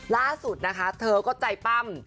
ล่าสุดนะคะเธอก็ใจปั้ม